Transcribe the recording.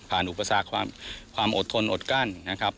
ผ่านอุปสรรคความอดทนอดกั้น